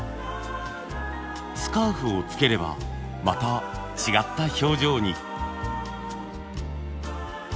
スカーフをつければまた違った表情に。